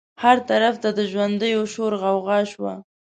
هر طرف ته د ژوندیو شور غوغا شوه.